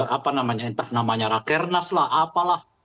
apa namanya entah namanya rakernas lah apalah